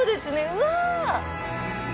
うわ。